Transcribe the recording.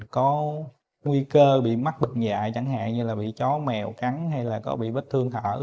có nguy cơ bị mắc bệnh nhẹ chẳng hạn như là bị chó mèo cắn hay là có bị vết thương thở